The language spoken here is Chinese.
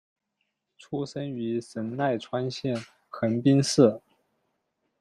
出身于神奈川县横滨市。